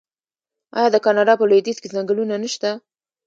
آیا د کاناډا په لویدیځ کې ځنګلونه نشته؟